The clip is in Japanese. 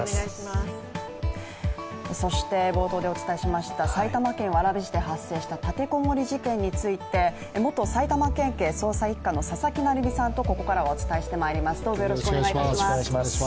そして冒頭でお伝えしました埼玉県蕨市で発生した立てこもり事件について、元埼玉県警捜査一課の佐々木成三さんとここからはお伝えしてまいります。